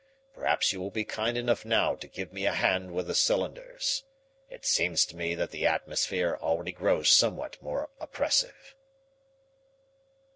Perhaps you will be kind enough now to give me a hand with the cylinders. It seems to me that the atmosphere already grows somewhat more oppressive."